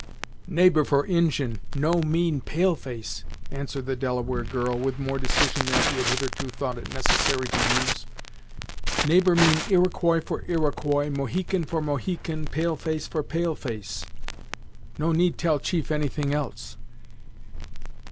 "Neighbor, for Injin, no mean pale face," answered the Delaware girl, with more decision than she had hitherto thought it necessary to use. "Neighbor mean Iroquois for Iroquois, Mohican for Mohican, Pale face for pale face. No need tell chief any thing else."